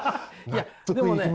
いやでもね